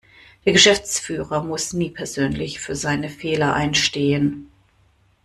Der Geschäftsführer muss nie persönlich für seine Fehler einstehen.